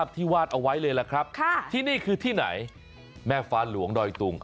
ที่วาดเอาไว้เลยล่ะครับที่นี่คือที่ไหนแม่ฟ้าหลวงดอยตุง